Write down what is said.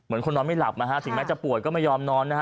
คนนอนไม่หลับนะฮะถึงแม้จะป่วยก็ไม่ยอมนอนนะฮะ